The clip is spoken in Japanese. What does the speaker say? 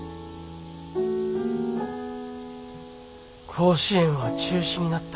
甲子園は中止になった。